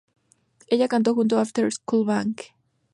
Ella cantó junto After School "Bang!